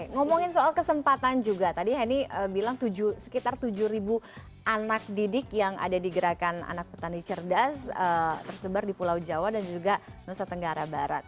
ngomongin soal kesempatan juga tadi henny bilang sekitar tujuh anak didik yang ada di gerakan anak petani cerdas tersebar di pulau jawa dan juga nusa tenggara barat